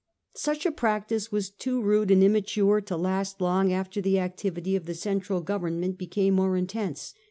Such a practice was too rude and immature to last long after the activity of the central government became more intense.